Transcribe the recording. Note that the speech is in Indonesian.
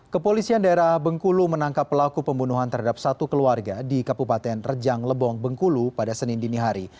kepolisian daerah bengkulu menangkap pelaku pembunuhan terhadap satu keluarga di kabupaten rejang lebong bengkulu pada senin dinihari